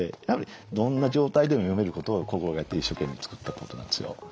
やはりどんな状態でも読めることを心がけて一生懸命作ったコードなんですよ。